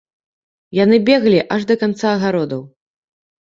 Яны беглі аж да канца агародаў.